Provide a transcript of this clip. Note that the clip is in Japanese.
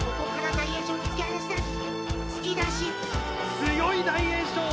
強い大栄翔。